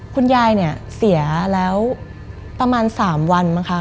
คุณยายเนี่ยเสียแล้วประมาณ๓วันมั้งคะ